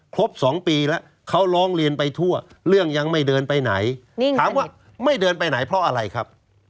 ครบ๒ปีแล้วเขาร้องเรียนไปทั่วเรื่องยังไม่เดินไปไหนถามว่าไม่เดินไปไหนเพราะอะไรครับ